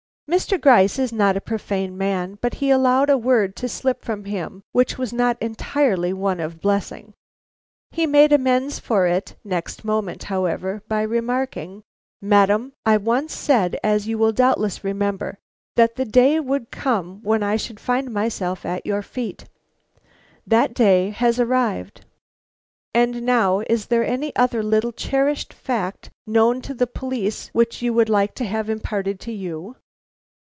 Mr. Gryce is not a profane man, but he allowed a word to slip from him which was not entirely one of blessing. He made amends for it next moment, however, by remarking: "Madam, I once said, as you will doubtless remember, that the day would come when I should find myself at your feet. That day has arrived. And now is there any other little cherished fact known to the police which you would like to have imparted to you?"